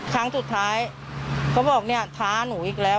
ครั้งสุดท้ายเขาบอกเนี่ยท้าหนูอีกแล้ว